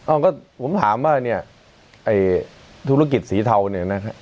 ก็ผมถามว่าเนี่ยไอ้ธุรกิจสีเทาเนี่ยนะฮะ